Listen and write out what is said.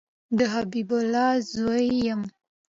د حبیب الله زوی یم